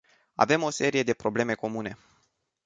Avem o serie de probleme comune.